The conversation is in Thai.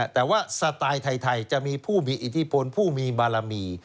แต่ว่าสไตล์ไทยจะมีผู้มีอิทธิพลผู้มีบารมี